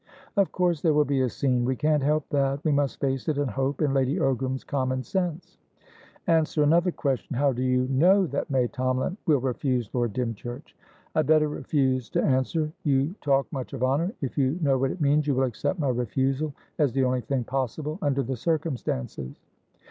"Of course there will be a scene. We can't help that. We must face it, and hope in Lady Ogram's commonsense." "Answer another question. How do you know that May Tomalin will refuse Lord Dymchurch?" "I had better refuse to answer. You talk much of honour. If you know what it means, you will accept my refusal as the only thing possible under the circumstances."